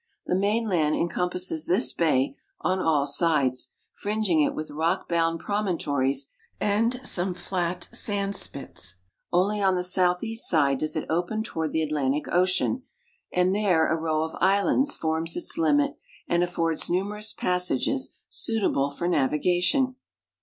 The mainland encompasses this bay on all sides, fringing it with rock bound promontories and some flat sand spits ; only on the southeast side does it open toward the Atlantic ocean, and there a row of islands forms its limit and affords numerous passages suitable for navigation.